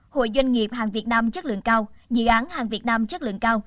hội doanh nghiệp hàng việt nam chất lượng cao dự án hàng việt nam chất lượng cao